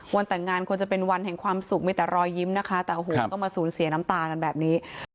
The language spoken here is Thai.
วันแต่งงานควรจะเป็นวันแห่งความสุขมีแต่รอยยิ้มนะคะแต่โอ้โหต้องมาสูญเสียน้ำตากันแบบนี้